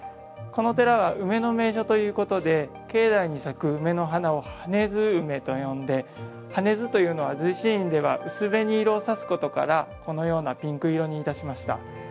この寺は梅の名所ということで境内に咲く梅の花をはねず梅と呼んではねずというのは隨心院では薄紅色を指すことからこのようなピンク色にいたしました。